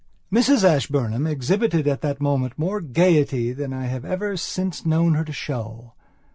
Mrs Ashburnham exhibited at that moment more gaiety than I have ever since known her to show.